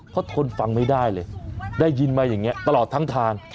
เขาทนฟังไม่ได้เลยได้ยินมาอย่างนี้ตลอดทั้งทาง